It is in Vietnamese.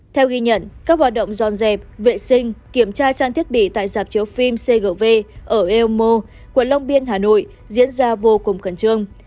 theo ghi nhận các hoạt động dọn dẹp vệ sinh kiểm tra trang thiết bị tại giạp chiếu phim cgv ở eomo quận long biên hà nội diễn ra vô cùng khẩn trương